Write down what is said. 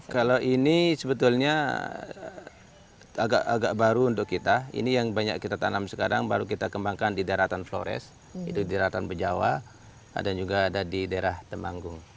kalau ini sebetulnya agak agak baru untuk kita ini yang banyak kita tanam sekarang baru kita kembangkan di daratan flores itu di daratan bejawa dan juga ada di daerah temanggung